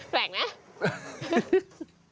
แปลกไหม